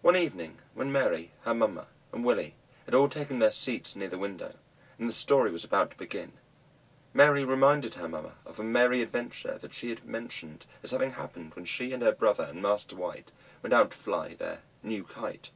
One evening, when Mary, her mamma, and Willie had all taken their seats near the window, and the story was about to begin, Mary reminded her mamma of a merry adventure that she had mentioned as having happened when she and her brother and Master White went out to fly their "new Kite."